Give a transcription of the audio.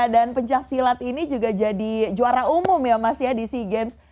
dan pencak silat ini juga jadi juara umum ya mas ya di sea games